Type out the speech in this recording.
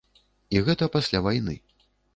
І гэта пасля вайны.